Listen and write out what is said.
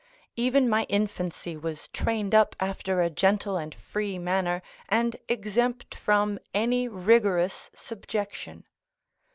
Even my infancy was trained up after a gentle and free manner, and exempt from any rigorous subjection.